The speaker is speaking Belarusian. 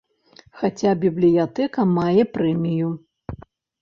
Хаця бібліятэка мае прэмію.